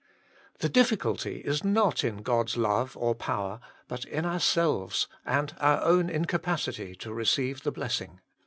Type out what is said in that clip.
The difficulty is not in God s love or power, but in ourselves and our own incapacity to receive the blessing.